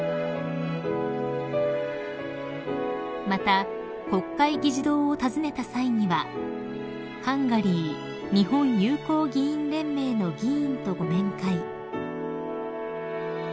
［また国会議事堂を訪ねた際にはハンガリー・日本友好議員連盟の議員とご面会］